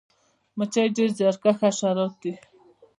مچۍ ډیر زیارکښه حشرات دي